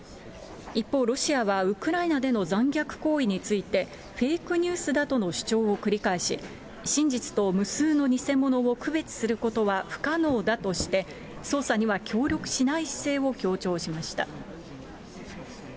一方、ロシアはウクライナでの残虐行為について、フェイクニュースだとの主張を繰り返し、真実と無数の偽物を区別することは不可能だとして、捜査には協力しない姿勢を強調しました。